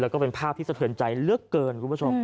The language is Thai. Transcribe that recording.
และเป็นภาพที่สะเทินใจเรือกเกิน